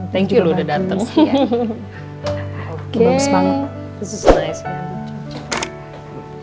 thank you udah dateng